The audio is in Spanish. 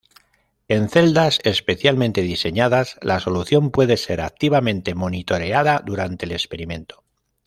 En celdas especialmente diseñadas la solución puede ser activamente monitoreada durante el experimento.